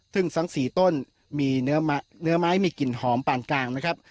ซึ่งทั้ง๔ต้นมีเนื้อไม้มีกลิ่นหอมปานกลางนะครับ